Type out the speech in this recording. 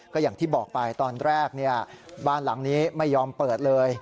ก็อย่างที่บอกไปตอนแรกบ้านหลังนี้ไม่ยอมเปิดเลย